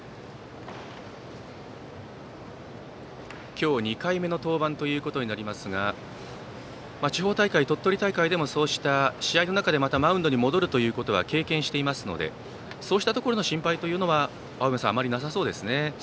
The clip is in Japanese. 今日２回目の登板ということになりますが地方大会、鳥取大会でも試合の中でまたマウンドに戻るというのは経験していますのでそうしたところの心配はあまりなさそうですね。